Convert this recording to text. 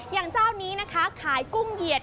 อย่างเจ้านี้นะคะขายกุ้งเหยียด